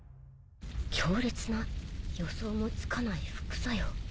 強烈な予想もつかない副作用。